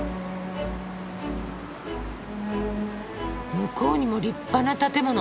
向こうにも立派な建物。